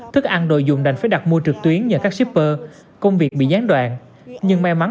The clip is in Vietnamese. thức ăn đồ dùng đành phải đặt mua trực tuyến nhờ các shipper công việc bị gián đoạn nhưng may mắn